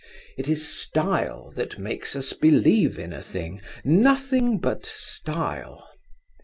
It is style that makes us believe in a thing—nothing but style.